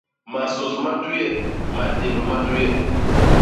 Masôs ma tuye; matémb ma tuye.